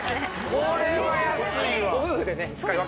これは安いわ。